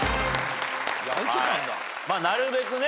なるべくね。